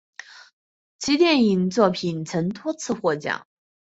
其电影作品曾多次获奖。